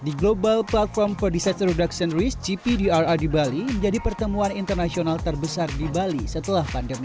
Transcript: di global platform for disaster reduction risk gpdrr di bali menjadi pertemuan internasional terbesar di bali setelah pandemi